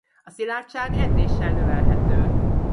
A szilárdság edzéssel növelhető.